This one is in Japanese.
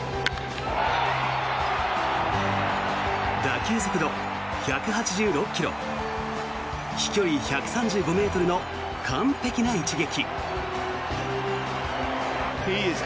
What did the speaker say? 打球速度１８６ｋｍ飛距離１３５ｍの完璧な一撃。